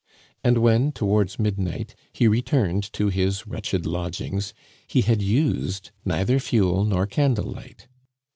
And when, towards midnight, he returned to his wretched lodgings, he had used neither fuel nor candle light.